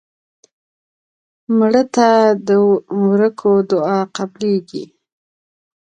مړه ته د ورکو دعا قبلیږي